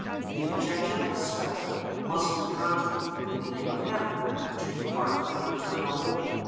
The objectionable spectre must be conjured, in the name of Heaven, to depart, and return no more.